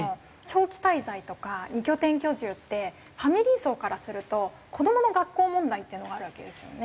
長期滞在とか２拠点居住ってファミリー層からすると子どもの学校問題っていうのがあるわけですよね。